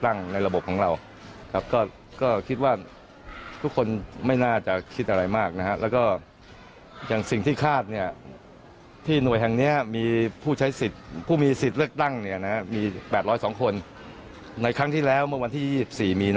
วันนี้คาดว่าน่าจะมีถึง๖๐๐นะครับ